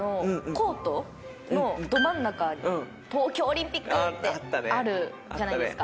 ど真ん中「東京オリンピック」ってあるじゃないですか。